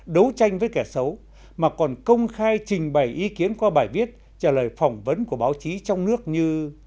đấu tranh với kẻ xấu mà còn công khai trình bày ý kiến qua bài viết trả lời phỏng vấn của báo chí trong nước như